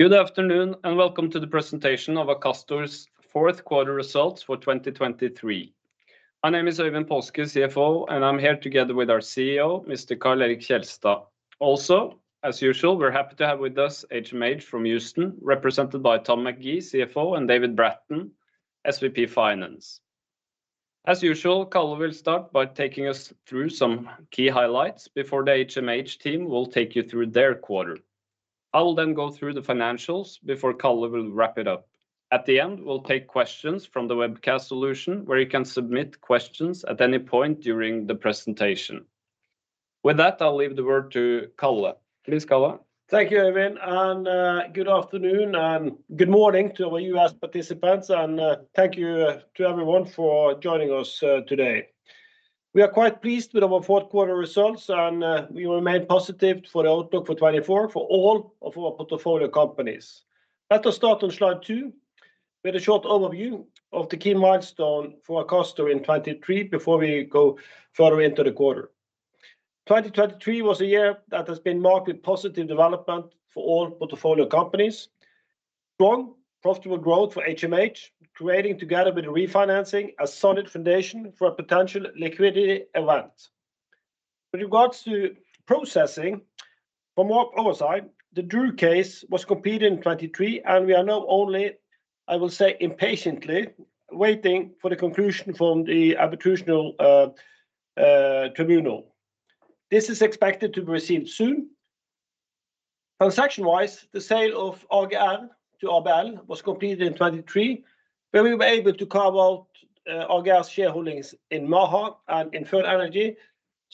Good afternoon, and welcome to the presentation of Akastor's fourth quarter results for 2023. My name is Øyvind Paaske, CFO, and I'm here together with our CEO, Mr. Karl Erik Kjelstad. Also, as usual, we're happy to have with us HMH from Houston, represented by Tom McGee, CFO, and David Bratton, SVP Finance. As usual, Karl will start by taking us through some key highlights before the HMH team will take you through their quarter. I will then go through the financials before Karl will wrap it up. At the end, we'll take questions from the webcast solution, where you can submit questions at any point during the presentation. With that, I'll leave the word to Karl. Please, Karl. Thank you, Øyvind, and, good afternoon and good morning to our U.S. participants, and, thank you, to everyone for joining us, today. We are quite pleased with our fourth quarter results, and, we remain positive for the outlook for 2024 for all of our portfolio companies. Let us start on slide 2 with a short overview of the key milestone for Akastor in 2023 before we go further into the quarter. 2023 was a year that has been marked with positive development for all portfolio companies. Strong, profitable growth for HMH, creating, together with the refinancing, a solid foundation for a potential liquidity event. With regards to processing, from our oversight, the DRU case was completed in 2023, and we are now only, I will say, impatiently waiting for the conclusion from the arbitration tribunal. This is expected to be received soon. Transaction-wise, the sale of AGR to ABL was completed in 2023, where we were able to carve out AGR's shareholdings in Maha and in First Geo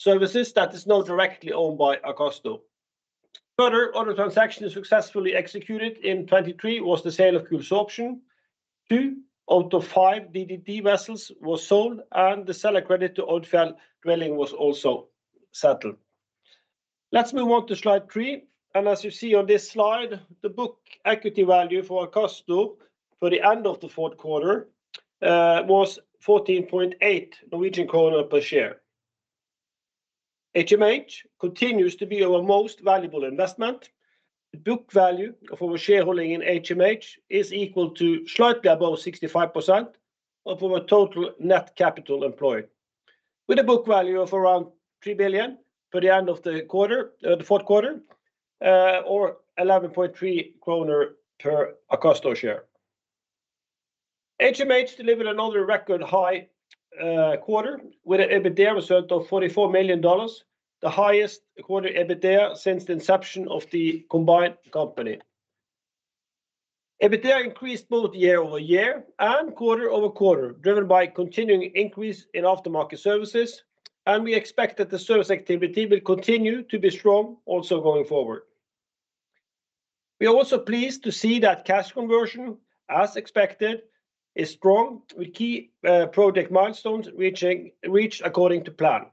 that is now directly owned by Akastor. Further, other transactions successfully executed in 2023 was the sale of Cool Sorption. Two out of five DDW vessels were sold, and the seller credit to Awilco Drilling was also settled. Let's move on to slide three, as you see on this slide, the book equity value for Akastor for the end of the fourth quarter was 14.8 Norwegian kroner per share. HMH continues to be our most valuable investment. The book value of our shareholding in HMH is equal to slightly above 65% of our total net capital employed, with a book value of around 3 billion by the end of the fourth quarter, or 11.3 kroner per Akastor share. HMH delivered another record-high quarter with an EBITDA result of $44 million, the highest quarter EBITDA since the inception of the combined company. EBITDA increased both year-over-year and quarter-over-quarter, driven by continuing increase in aftermarket services, and we expect that the service activity will continue to be strong also going forward. We are also pleased to see that cash conversion, as expected, is strong, with key project milestones reached according to plan.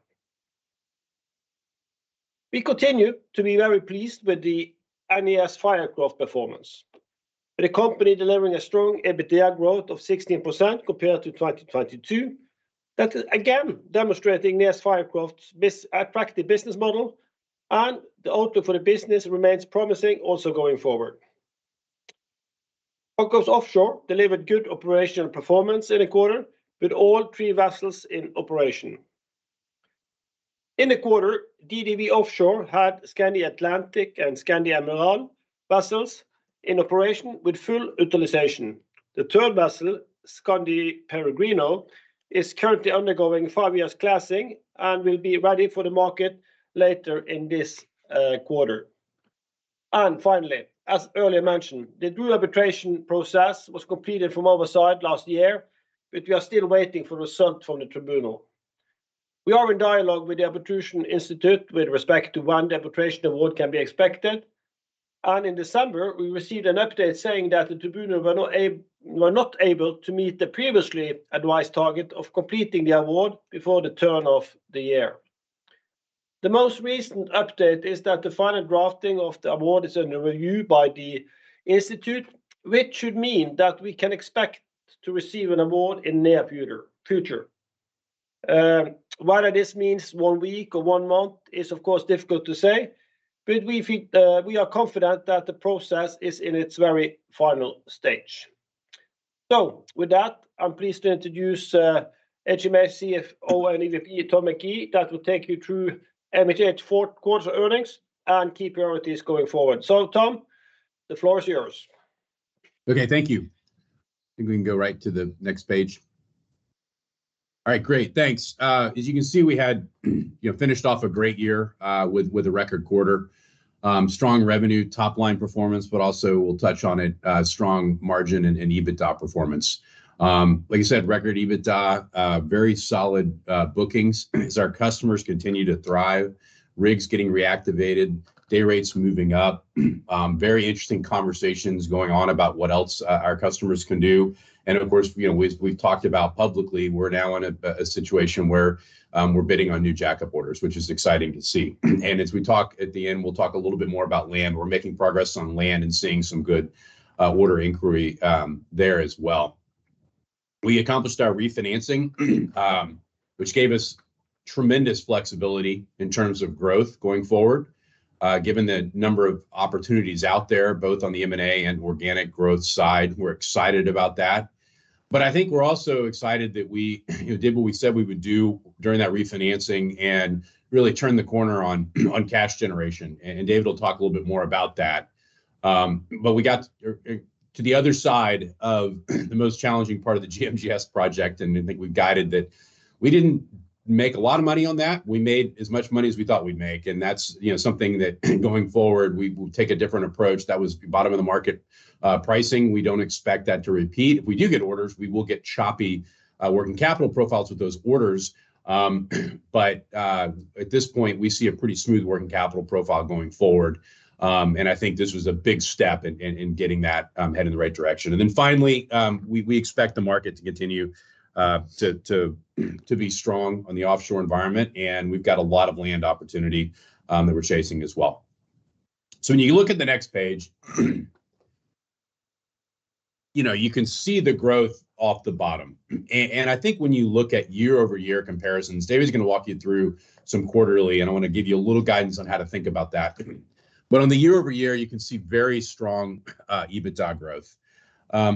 We continue to be very pleased with the NES Fircroft performance, with the company delivering a strong EBITDA growth of 16% compared to 2022. That is, again, demonstrating NES Fircroft's business-attractive business model, and the outlook for the business remains promising also going forward. AKOFS Offshore delivered good operational performance in the quarter, with all three vessels in operation. In the quarter, DDW Offshore had Skandi Atlantic and Skandi Emerald vessels in operation with full utilization. The third vessel, Skandi Peregrino, is currently undergoing five years classing and will be ready for the market later in this quarter. And finally, as earlier mentioned, the DRU arbitration process was completed from our side last year, but we are still waiting for results from the tribunal. We are in dialogue with the Arbitration Institute with respect to when the arbitration award can be expected, and in December, we received an update saying that the tribunal were not able to meet the previously advised target of completing the award before the turn of the year. The most recent update is that the final drafting of the award is under review by the institute, which should mean that we can expect to receive an award in the near future. Whether this means one week or one month is, of course, difficult to say, but we feel we are confident that the process is in its very final stage. So with that, I'm pleased to introduce HMH CFO and EVP, Tom McGee, that will take you through HMH fourth quarter earnings and key priorities going forward. So Tom, the floor is yours. Okay, thank you. I think we can go right to the next page. All right, great, thanks. As you can see, we had, you know, finished off a great year with a record quarter. Strong revenue, top-line performance, but also we'll touch on it, strong margin and EBITDA performance. Like you said, record EBITDA, very solid bookings as our customers continue to thrive, rigs getting reactivated, day rates moving up, very interesting conversations going on about what else our customers can do. And of course, you know, we've talked about publicly, we're now in a situation where we're bidding on new jackup orders, which is exciting to see. And as we talk at the end, we'll talk a little bit more about land. We're making progress on land and seeing some good order inquiry there as well. We accomplished our refinancing, which gave us tremendous flexibility in terms of growth going forward, given the number of opportunities out there, both on the M&A and organic growth side. We're excited about that. But I think we're also excited that we, you know, did what we said we would do during that refinancing and really turned the corner on cash generation. And David will talk a little bit more about that. But we got to the other side of the most challenging part of the GMGS project, and I think we've guided that we didn't make a lot of money on that. We made as much money as we thought we'd make, and that's, you know, something that, going forward, we will take a different approach. That was bottom of the market pricing. We don't expect that to repeat. If we do get orders, we will get choppy working capital profiles with those orders. But at this point, we see a pretty smooth working capital profile going forward. And I think this was a big step in getting that headed in the right direction. And then finally, we expect the market to continue to be strong on the offshore environment, and we've got a lot of land opportunity that we're chasing as well. So when you look at the next page, you know, you can see the growth off the bottom. And I think when you look at year-over-year comparisons, David's gonna walk you through some quarterly, and I wanna give you a little guidance on how to think about that. But on the year-over-year, you can see very strong EBITDA growth.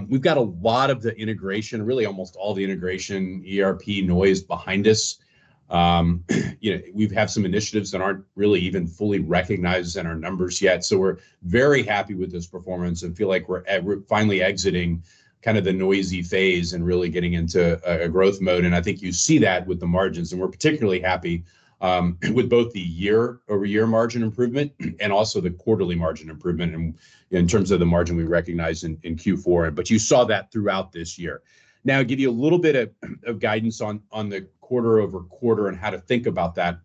We've got a lot of the integration, really almost all the integration, ERP noise behind us. You know, we have some initiatives that aren't really even fully recognized in our numbers yet, so we're very happy with this performance and feel like we're finally exiting kind of the noisy phase and really getting into a growth mode. And I think you see that with the margins. And we're particularly happy with both the year-over-year margin improvement and also the quarterly margin improvement in terms of the margin we recognized in Q4. But you saw that throughout this year. Now, I'll give you a little bit of guidance on the quarter-over-quarter and how to think about that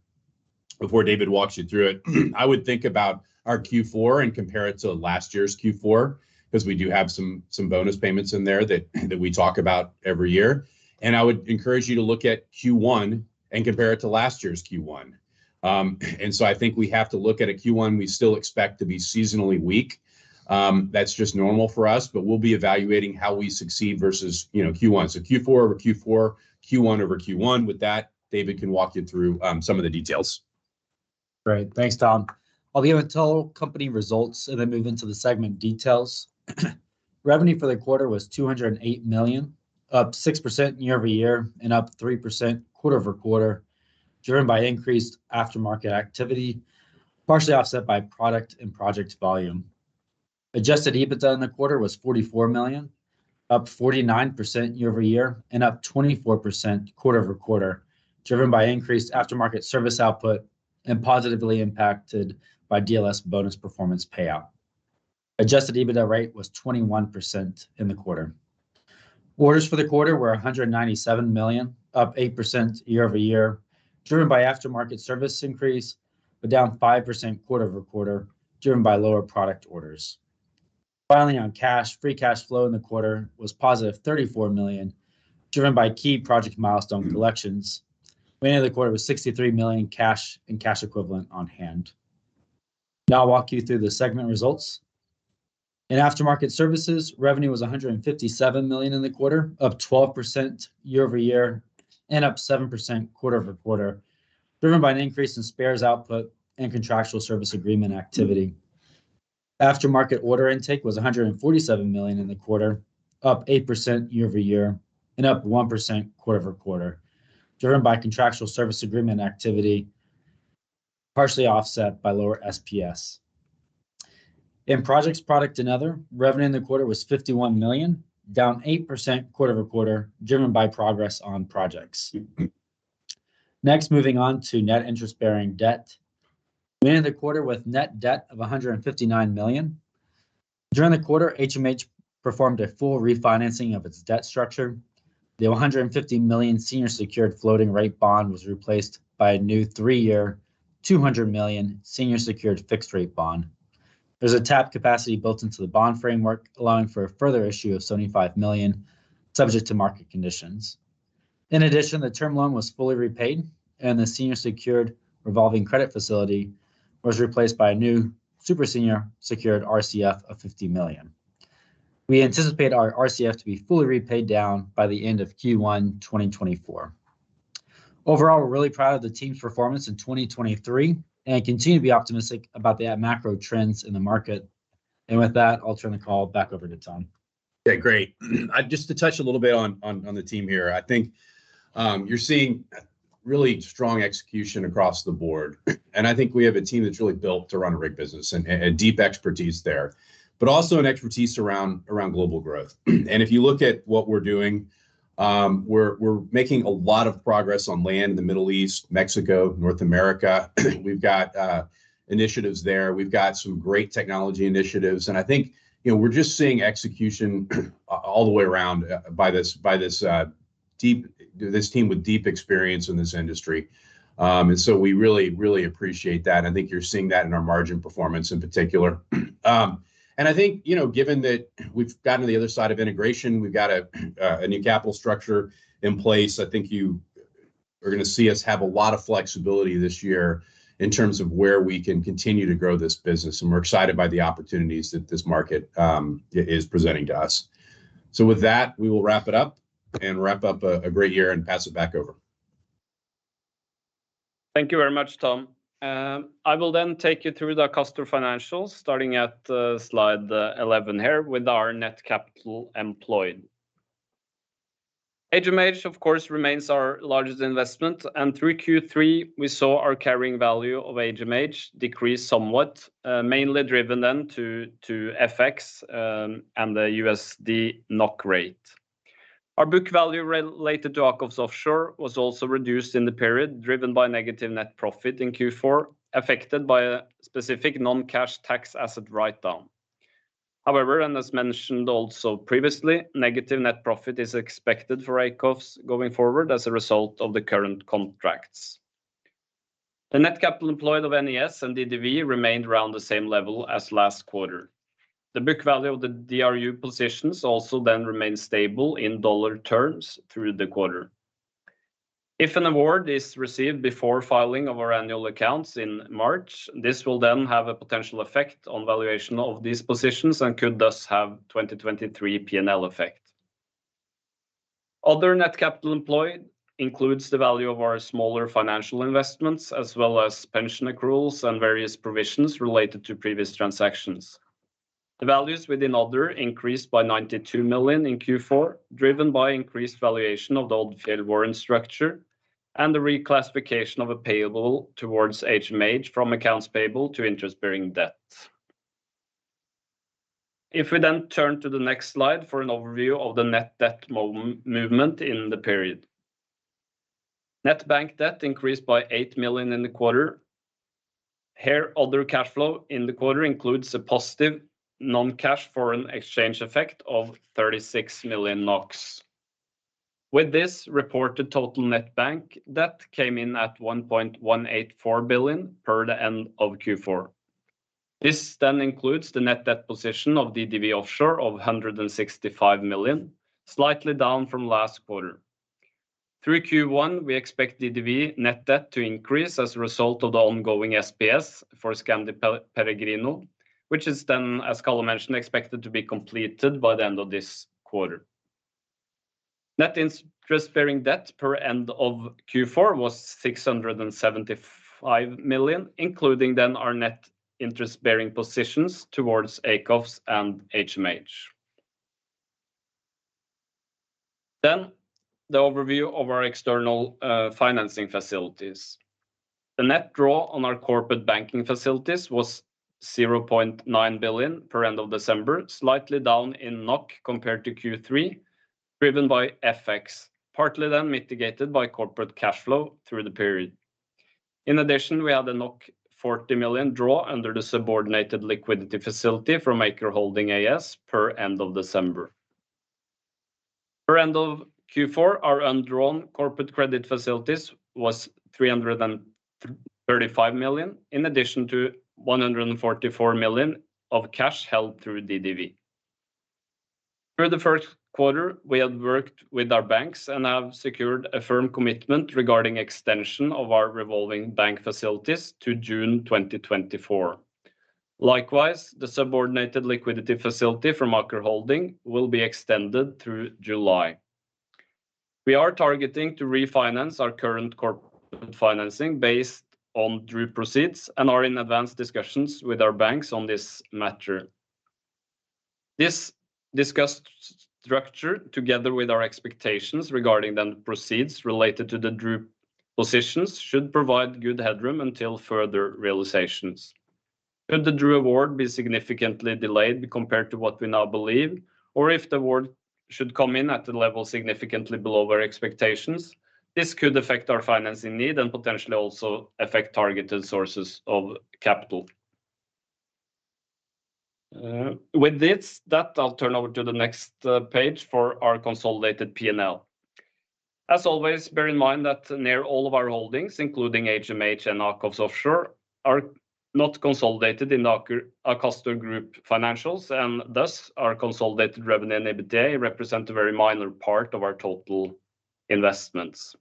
before David walks you through it. I would think about our Q4 and compare it to last year's Q4, 'cause we do have some, some bonus payments in there that, that we talk about every year. And I would encourage you to look at Q1 and compare it to last year's Q1. And so I think we have to look at a Q1 we still expect to be seasonally weak. That's just normal for us, but we'll be evaluating how we succeed versus, you know, Q1. So Q4 over Q4, Q1 over Q1. With that, David can walk you through some of the details. Great. Thanks, Tom. I'll give total company results and then move into the segment details. Revenue for the quarter was 208 million, up 6% year-over-year and up 3% quarter-over-quarter, driven by increased aftermarket activity, partially offset by product and project volume. Adjusted EBITDA in the quarter was 44 million, up 49% year-over-year, and up 24% quarter-over-quarter, driven by increased aftermarket service output and positively impacted by DLS bonus performance payout. Adjusted EBITDA rate was 21% in the quarter. Orders for the quarter were 197 million, up 8% year-over-year, driven by aftermarket service increase, but down 5% quarter-over-quarter, driven by lower product orders. Finally, on cash, free cash flow in the quarter was positive 34 million, driven by key project milestone collections. We ended the quarter with 63 million cash and cash equivalents on hand. Now I'll walk you through the segment results. In aftermarket services, revenue was 157 million in the quarter, up 12% year-over-year and up 7% quarter-over-quarter, driven by an increase in spares output and contractual service agreement activity. Aftermarket order intake was 147 million in the quarter, up 8% year-over-year and up 1% quarter-over-quarter, driven by contractual service agreement activity, partially offset by lower SPS. In projects, product, and other, revenue in the quarter was 51 million, down 8% quarter-over-quarter, driven by progress on projects. Next, moving on to net interest-bearing debt. We ended the quarter with net debt of 159 million. During the quarter, HMH performed a full refinancing of its debt structure. The 150 million senior secured floating-rate bond was replaced by a new 3-year, 200 million senior secured fixed-rate bond. There's a tap capacity built into the bond framework, allowing for a further issue of 75 million, subject to market conditions. In addition, the term loan was fully repaid, and the senior secured revolving credit facility was replaced by a new super senior secured RCF of 50 million. We anticipate our RCF to be fully repaid down by the end of Q1 2024. Overall, we're really proud of the team's performance in 2023 and continue to be optimistic about the macro trends in the market. And with that, I'll turn the call back over to Tom. Okay, great. Just to touch a little bit on the team here, I think you're seeing really strong execution across the board. And I think we have a team that's really built to run a rig business and deep expertise there, but also an expertise around global growth. And if you look at what we're doing, we're making a lot of progress on land, the Middle East, Mexico, North America. We've got initiatives there. We've got some great technology initiatives, and I think, you know, we're just seeing execution all the way around by this team with deep experience in this industry. And so we really, really appreciate that, and I think you're seeing that in our margin performance in particular. And I think, you know, given that we've gotten to the other side of integration, we've got a new capital structure in place. I think you're gonna see us have a lot of flexibility this year in terms of where we can continue to grow this business, and we're excited by the opportunities that this market is presenting to us. So with that, we will wrap it up and wrap up a great year and pass it back over. Thank you very much, Tom. I will then take you through the Akastor financials, starting at slide 11 here with our net capital employed. HMH, of course, remains our largest investment, and through Q3, we saw our carrying value of HMH decrease somewhat, mainly driven then to FX, and the USD NOK rate. Our book value related to AKOFS Offshore was also reduced in the period, driven by negative net profit in Q4, affected by a specific non-cash tax asset write-down. However, and as mentioned also previously, negative net profit is expected for AKOFS going forward as a result of the current contracts. The net capital employed of NES and DDW remained around the same level as last quarter. The book value of the DRU positions also then remained stable in dollar terms through the quarter. If an award is received before filing of our annual accounts in March, this will then have a potential effect on valuation of these positions and could thus have 2023 P&L effect. Other net capital employed includes the value of our smaller financial investments, as well as pension accruals and various provisions related to previous transactions. The values within other increased by 92 million in Q4, driven by increased valuation of the Odfjell warrant structure and the reclassification of a payable towards HMH from accounts payable to interest-bearing debt. If we then turn to the next slide for an overview of the net debt month-over-month movement in the period. Net bank debt increased by 8 million in the quarter. Here, other cash flow in the quarter includes a positive non-cash foreign exchange effect of 36 million NOK. With this, reported total net bank debt came in at 1.184 billion per end of Q4. This then includes the net debt position of DDW Offshore of 165 million, slightly down from last quarter. Through Q1, we expect DDW net debt to increase as a result of the ongoing SPS for Skandi Peregrino, which is then, as Colin mentioned, expected to be completed by the end of this quarter. Net interest-bearing debt per end of Q4 was 675 million, including then our net interest-bearing positions towards AKOFS and HMH. Then the overview of our external financing facilities. The net draw on our corporate banking facilities was 0.9 billion per end of December, slightly down in NOK compared to Q3, driven by FX, partly then mitigated by corporate cash flow through the period. In addition, we had a 40 million draw under the subordinated liquidity facility from Aker Holding AS per end of December. Per end of Q4, our undrawn corporate credit facilities was 335 million, in addition to 144 million of cash held through DDW. For the first quarter, we had worked with our banks and have secured a firm commitment regarding extension of our revolving bank facilities to June 2024. Likewise, the subordinated liquidity facility from Aker Holding will be extended through July. We are targeting to refinance our current corporate financing based on DRU proceeds and are in advanced discussions with our banks on this matter. This discussed structure, together with our expectations regarding the proceeds related to the DRU positions, should provide good headroom until further realizations. Could the DRU award be significantly delayed compared to what we now believe, or if the award should come in at a level significantly below our expectations, this could affect our financing need and potentially also affect targeted sources of capital. With this, I'll turn over to the next page for our consolidated P&L. As always, bear in mind that nearly all of our holdings, including HMH and AKOFS Offshore, are not consolidated in Aker Group financials, and thus our consolidated revenue and EBITDA represent a very minor part of our total investments.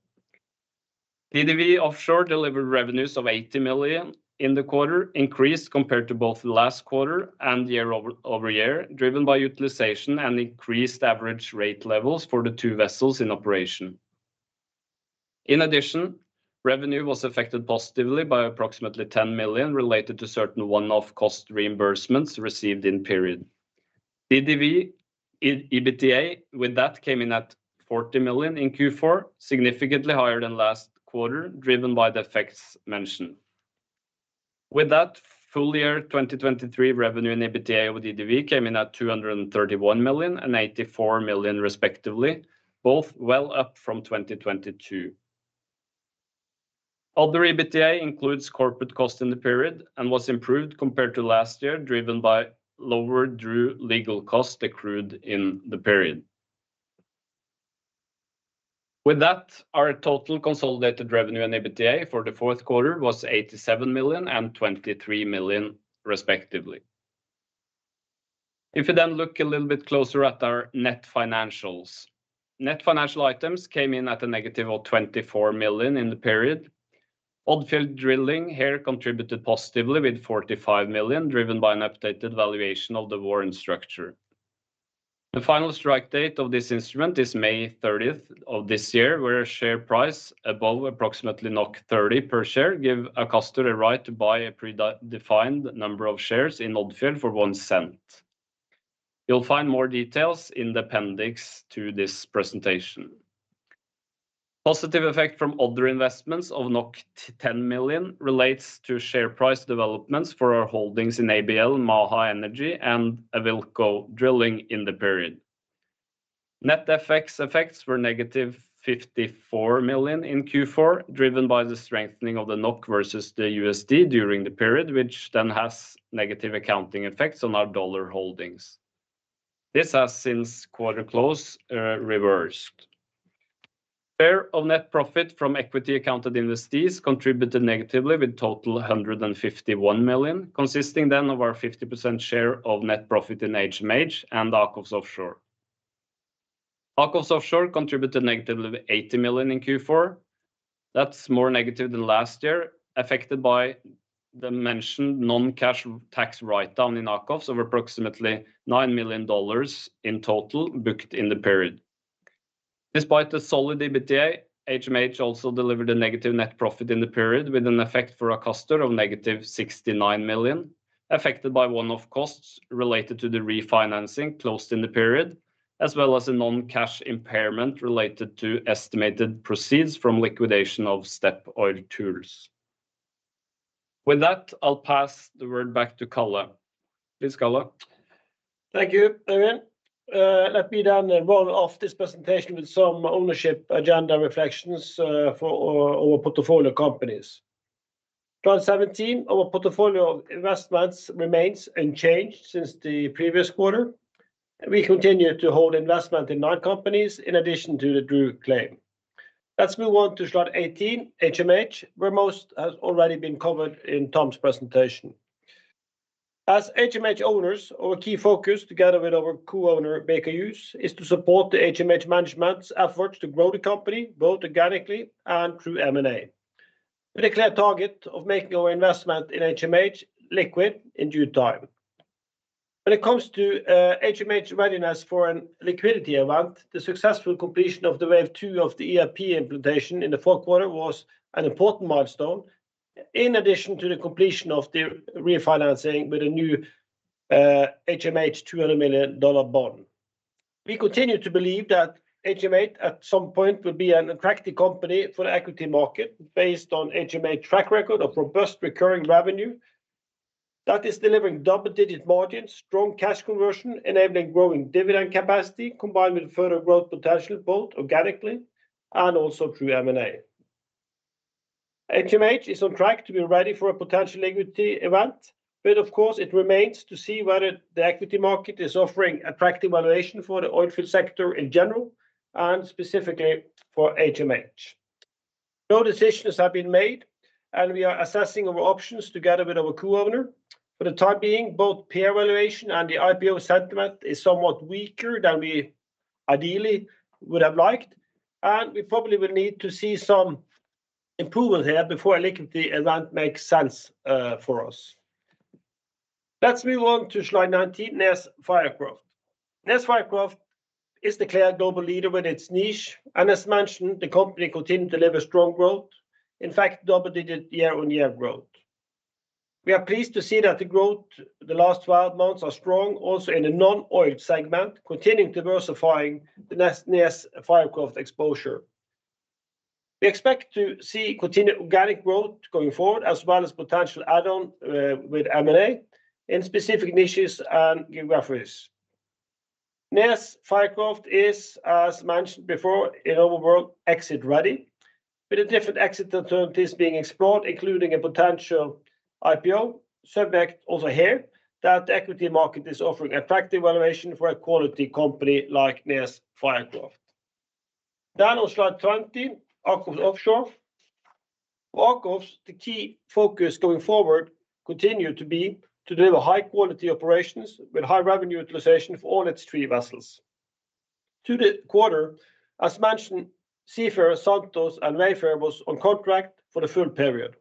DDW Offshore delivered revenues of 80 million in the quarter, increased compared to both last quarter and year-over-year, driven by utilization and increased average rate levels for the two vessels in operation. In addition, revenue was affected positively by approximately 10 million, related to certain one-off cost reimbursements received in period. DDW EBITDA with that came in at 40 million in Q4, significantly higher than last quarter, driven by the effects mentioned. With that, full year 2023 revenue and EBITDA with DDW came in at 231 million and 84 million, respectively, both well up from 2022. Other EBITDA includes corporate cost in the period and was improved compared to last year, driven by lower DRU legal cost accrued in the period. With that, our total consolidated revenue and EBITDA for the fourth quarter was 87 million and 23 million, respectively. If you then look a little bit closer at our net financials. Net financial items came in at a negative of 24 million in the period. Odfjell Drilling here contributed positively with 45 million, driven by an updated valuation of the warrant structure. The final strike date of this instrument is May 30th of this year, where a share price above approximately 30 per share give Akastor the right to buy a pre-defined number of shares in Odfjell for 0.01. You'll find more details in the appendix to this presentation. Positive effect from other investments of 10 million relates to share price developments for our holdings in ABL Group, Maha Energy, and Awilco Drilling in the period. Net effects were -54 million in Q4, driven by the strengthening of the NOK versus the USD during the period, which then has negative accounting effects on our dollar holdings. This has since quarter close reversed. Share of net profit from equity accounted investees contributed negatively with a total of 151 million, consisting then of our 50% share of net profit in HMH and AKOFS Offshore. AKOFS Offshore contributed negatively 80 million in Q4. That's more negative than last year, affected by the mentioned non-cash tax write-down in AKOFS of approximately $9 million in total, booked in the period. Despite the solid EBITDA, HMH also delivered a negative net profit in the period, with an effect for Akastor of negative 69 million, affected by one-off costs related to the refinancing closed in the period, as well as a non-cash impairment related to estimated proceeds from liquidation of Step Oiltools. With that, I'll pass the word back to Karl. Please, Karl. Thank you, Øyvind. Let me then roll off this presentation with some ownership agenda reflections, for our, our portfolio companies. Slide 17, our portfolio of investments remains unchanged since the previous quarter. We continue to hold investment in nine companies in addition to the DRU claim. Let's move on to Slide 18, HMH, where most has already been covered in Tom's presentation. As HMH owners, our key focus, together with our co-owner, Baker Hughes, is to support the HMH management's efforts to grow the company, both organically and through M&A. With a clear target of making our investment in HMH liquid in due time. When it comes to HMH readiness for a liquidity event, the successful completion of the wave two of the ERP implementation in the fourth quarter was an important milestone, in addition to the completion of the refinancing with a new HMH $200 million bond. We continue to believe that HMH, at some point, will be an attractive company for the equity market, based on HMH track record of robust recurring revenue that is delivering double-digit margins, strong cash conversion, enabling growing dividend capacity, combined with further growth potential, both organically and also through M&A. HMH is on track to be ready for a potential equity event, but of course, it remains to see whether the equity market is offering attractive valuation for the oilfield sector in general and specifically for HMH. No decisions have been made, and we are assessing our options together with our co-owner. For the time being, both peer valuation and the IPO sentiment is somewhat weaker than we ideally would have liked, and we probably will need to see some improvement here before a liquidity event makes sense, for us. Let's move on to slide 19, NES Fircroft. NES Fircroft is the clear global leader with its niche, and as mentioned, the company continued to deliver strong growth. In fact, double-digit year-on-year growth. We are pleased to see that the growth the last 12 months are strong, also in the non-oil segment, continuing diversifying the NES, NES Fircroft exposure. We expect to see continued organic growth going forward, as well as potential add-on, with M&A in specific niches and geographies. NES Fircroft is, as mentioned before, in our world, exit ready, with the different exit alternatives being explored, including a potential IPO, subject also here, that the equity market is offering attractive valuation for a quality company like NES Fircroft. Then on slide 20, AKOFS Offshore. For AKOFS, the key focus going forward continue to be to deliver high quality operations with high revenue utilization for all its three vessels. To the quarter, as mentioned, Seafarer, Santos, and Wayfarer was on contract for the full period.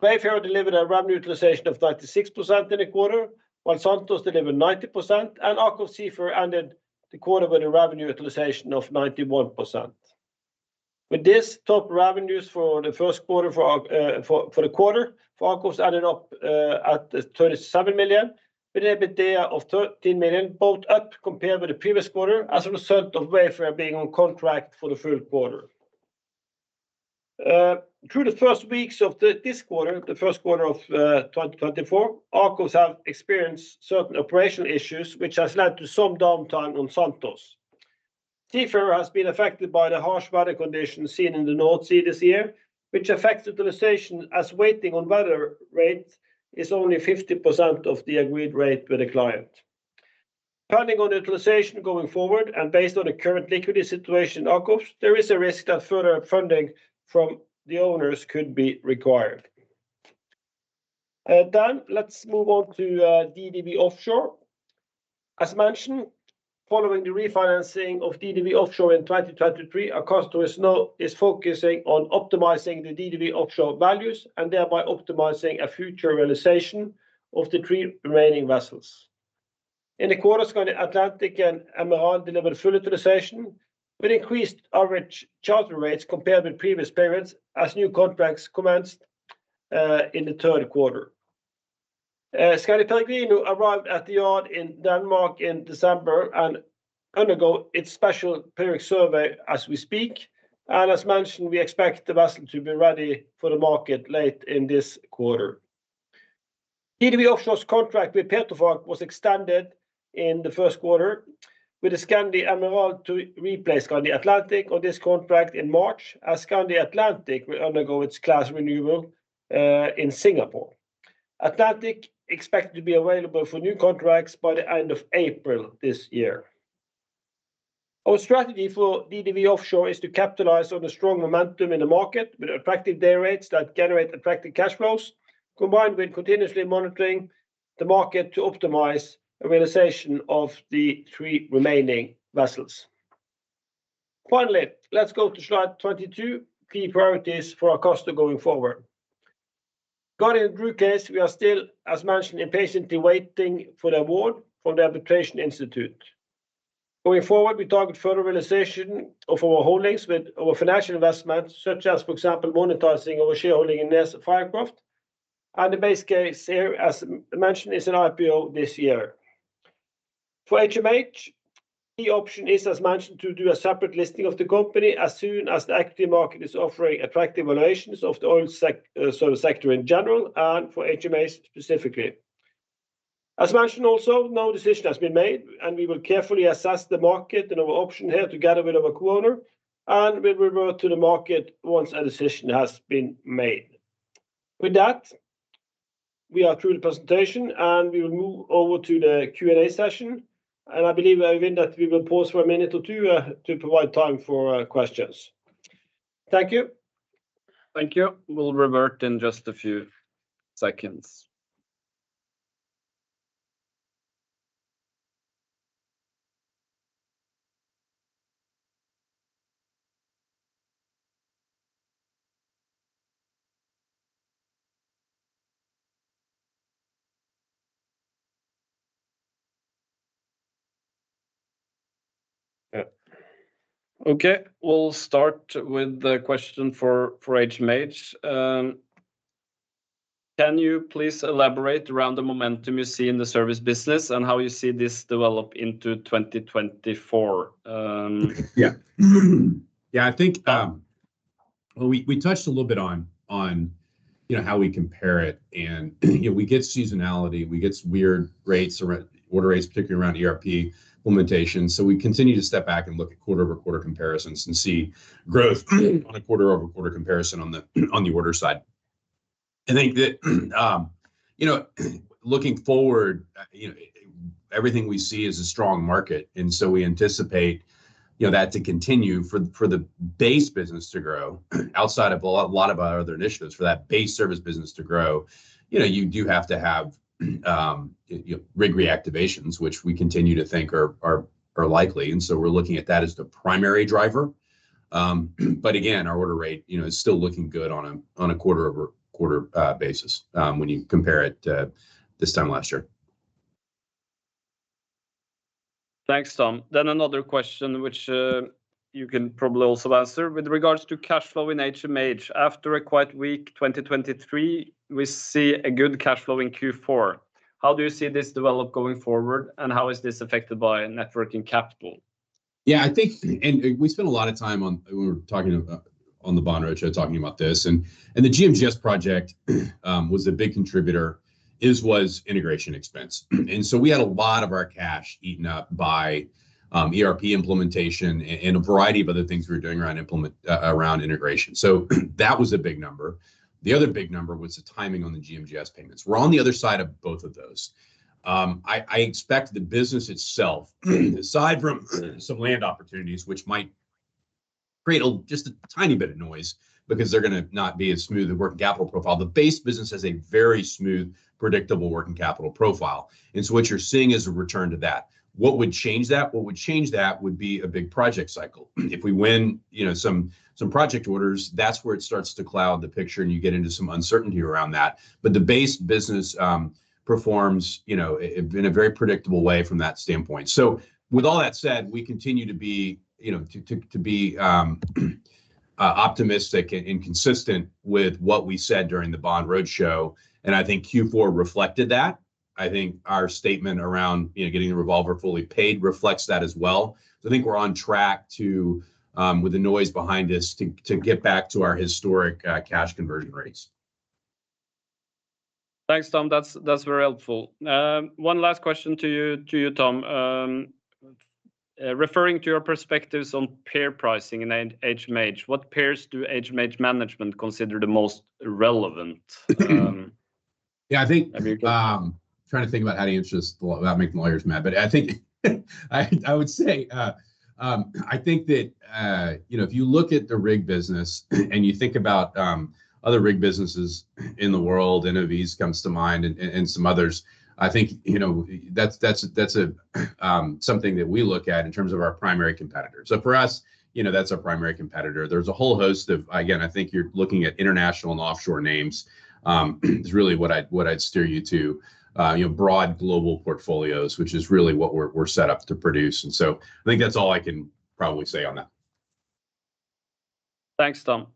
Wayfarer delivered a revenue utilization of 96% in the quarter, while Santos delivered 90%, and AKOFS Seafarer ended the quarter with a revenue utilization of 91%. With the top revenues for the first quarter for the quarter for AKOFS added up at 37 million, with EBITDA of 13 million, both up compared with the previous quarter, as a result of Wayfarer being on contract for the full quarter. Through the first weeks of the first quarter of 2024, AKOFS have experienced certain operational issues, which has led to some downtime on Santos. Seafarer has been affected by the harsh weather conditions seen in the North Sea this year, which affects utilization as waiting on weather rate is only 50% of the agreed rate with the client. Planning on utilization going forward and based on the current liquidity situation in AKOFS, there is a risk that further funding from the owners could be required. Then let's move on to DDW Offshore. As mentioned, following the refinancing of DDW Offshore in 2023, our customer is now focusing on optimizing the DDW Offshore values and thereby optimizing a future realization of the three remaining vessels. In the quarter, Skandi Atlantic and Emerald delivered full utilization, with increased average charter rates compared with previous periods as new contracts commenced in the third quarter. Skandi Peregrino arrived at the yard in Denmark in December and undergo its special periodic survey as we speak, and as mentioned, we expect the vessel to be ready for the market late in this quarter. DDW Offshore's contract with Petrofac was extended in the first quarter, with the Skandi Emerald to replace Skandi Atlantic on this contract in March, as Skandi Atlantic will undergo its class renewal in Singapore. Atlantic expected to be available for new contracts by the end of April this year. Our strategy for DDW Offshore is to capitalize on the strong momentum in the market with attractive day rates that generate attractive cash flows, combined with continuously monitoring the market to optimize realization of the three remaining vessels. Finally, let's go to slide 22, key priorities for our customer going forward. Jurong case, we are still, as mentioned, impatiently waiting for the award from the Arbitration Institute. Going forward, we target further realization of our holdings with our financial investments, such as, for example, monetizing our shareholding in NES Fircroft, and the base case here, as mentioned, is an IPO this year. For HMH, the option is, as mentioned, to do a separate listing of the company as soon as the active market is offering attractive valuations of the oil service sector in general and for HMH specifically. As mentioned, also, no decision has been made, and we will carefully assess the market and our option here together with our co-owner, and we'll revert to the market once a decision has been made. With that, we are through the presentation, and we will move over to the Q&A session, and I believe, Øyvind, that we will pause for a minute or two, to provide time for, questions. Thank you. Thank you. We'll revert in just a few seconds. Yeah. Okay, we'll start with the question for HMH. Can you please elaborate around the momentum you see in the service business and how you see this develop into 2024? Yeah. Yeah, I think, well, we, we touched a little bit on, on, you know, how we compare it and, you know, we get seasonality, we get weird rates around, order rates, particularly around ERP implementation. So we continue to step back and look at quarter-over-quarter comparisons and see growth on a quarter-over-quarter comparison on the, on the order side. I think that, you know, looking forward, you know, everything we see is a strong market, and so we anticipate, you know, that to continue for, for the base business to grow, outside of a lot, lot of our other initiatives, for that base service business to grow, you know, you do have to have, you know, rig reactivations, which we continue to think are, are, are likely, and so we're looking at that as the primary driver. But again, our order rate, you know, is still looking good on a quarter-over-quarter basis, when you compare it to this time last year. Thanks, Tom. Then another question, which, you can probably also answer. With regards to cash flow in HMH, after a quite weak 2023, we see a good cash flow in Q4. How do you see this develop going forward, and how is this affected by net working capital? Yeah, I think, and we spent a lot of time on, we were talking, on the Bond Roadshow, talking about this, and, and the GMGS project, was a big contributor, as was integration expense. And so we had a lot of our cash eaten up by, ERP implementation and a variety of other things we were doing around integration. So that was a big number. The other big number was the timing on the GMGS payments. We're on the other side of both of those. I expect the business itself, aside from some land opportunities, which might create a, just a tiny bit of noise because they're gonna not be as smooth a working capital profile, the base business has a very smooth, predictable working capital profile. And so what you're seeing is a return to that. What would change that? What would change that would be a big project cycle. If we win, you know, some project orders, that's where it starts to cloud the picture, and you get into some uncertainty around that. But the base business performs, you know, in a very predictable way from that standpoint. So with all that said, we continue to be, you know, optimistic and consistent with what we said during the Bond Roadshow, and I think Q4 reflected that. I think our statement around, you know, getting the revolver fully paid reflects that as well. So I think we're on track to, with the noise behind us, get back to our historic cash conversion rates. Thanks, Tom. That's, that's very helpful. One last question to you, Tom. Referring to your perspectives on peer pricing in HMH, what peers do HMH management consider the most relevant? Yeah, I think, I'm trying to think about how to answer this without making lawyers mad, but I think I, I would say, I think that, you know, if you look at the rig business and you think about, other rig businesses in the world, NOV comes to mind and, and, and some others, I think, you know, that's, that's, that's a, something that we look at in terms of our primary competitor. So for us, you know, that's our primary competitor. There's a whole host of- again, I think you're looking at international and offshore names, is really what I'd, what I'd steer you to. You know, broad global portfolios, which is really what we're, we're set up to produce. And so I think that's all I can probably say on that. Thanks, Tom.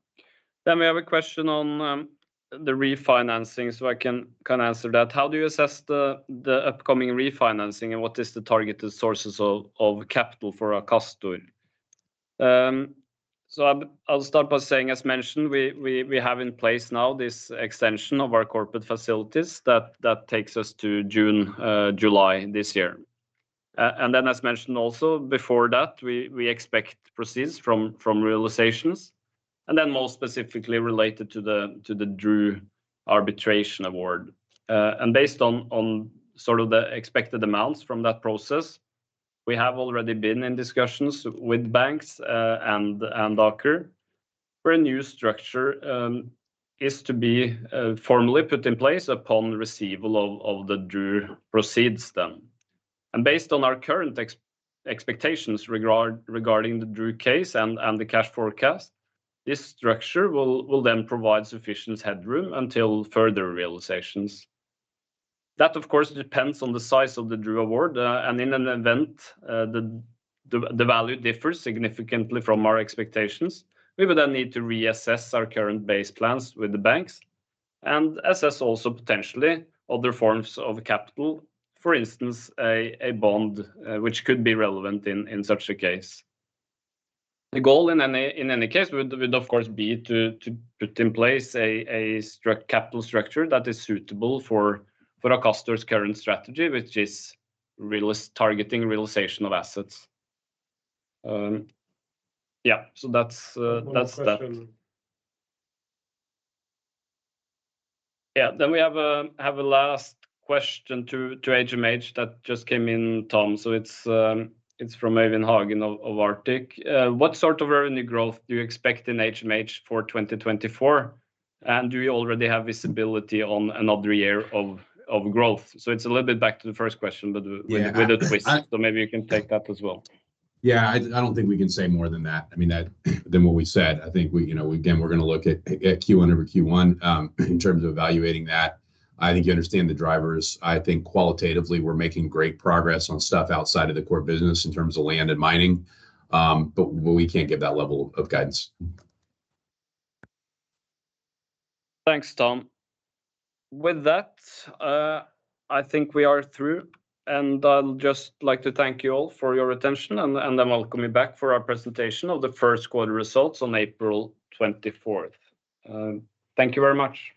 Then we have a question on the refinancing, so I can kinda answer that. How do you assess the upcoming refinancing, and what is the targeted sources of capital for Akastor? So I'll start by saying, as mentioned, we have in place now this extension of our corporate facilities that takes us to June, July this year. And then as mentioned also, before that, we expect proceeds from realizations, and then more specifically related to the DRU arbitration award. And based on sort of the expected amounts from that process, we have already been in discussions with banks and Aker, where a new structure is to be formally put in place upon the receipt of the DRU proceeds then. Based on our current expectations regarding the DRU case and the cash forecast, this structure will then provide sufficient headroom until further realizations. That, of course, depends on the size of the DRU award, and in an event the value differs significantly from our expectations, we would then need to reassess our current base plans with the banks and assess also potentially other forms of capital. For instance, a bond, which could be relevant in such a case. The goal in any case would, of course, be to put in place a capital structure that is suitable for Akastor's current strategy, which is targeting realization of assets. Yeah, so that's that. One question. Yeah, then we have a last question to HMH that just came in, Tom. So it's from Evelyn Hagen of Arctic. "What sort of revenue growth do you expect in HMH for 2024? And do you already have visibility on another year of growth?" So it's a little bit back to the first question, but with a twist, so maybe you can take that as well. Yeah, I don't think we can say more than that. I mean, than what we said. I think we, you know, again, we're gonna look at Q1 over Q1 in terms of evaluating that. I think you understand the drivers. I think qualitatively, we're making great progress on stuff outside of the core business in terms of land and mining. But we can't give that level of guidance. Thanks, Tom. With that, I think we are through, and I'd just like to thank you all for your attention, and I welcome you back for our presentation of the first quarter results on April twenty-fourth. Thank you very much.